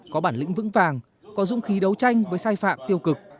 có bản lĩnh vững vàng có dũng khí đấu tranh với sai phạm tiêu cực